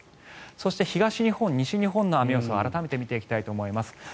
そして東日本、西日本の雨予想を改めて見ていきたいと思います。